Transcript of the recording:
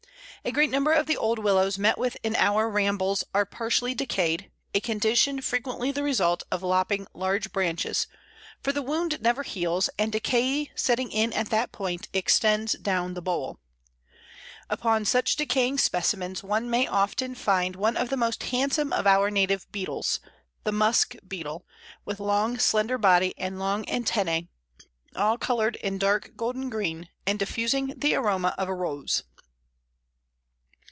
A great number of the old Willows met with in our rambles are partially decayed, a condition frequently the result of lopping large branches, for the wound never heals, and decay setting in at that point, extends down the bole. Upon such decaying specimens one may often find one of the most handsome of our native beetles the Musk beetle, with long, slender body and long antennæ, all coloured in dark golden green, and diffusing the aroma of a rose.